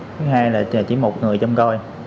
thứ hai là chỉ một người chăm coi